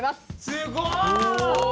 すごい！お！